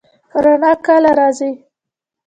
رڼا کله راځي؟